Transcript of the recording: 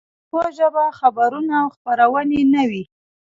په پښتو ژبه خبرونه او خپرونې نه وې.